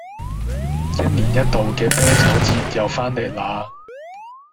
一年一度嘅啤酒節又返嚟喇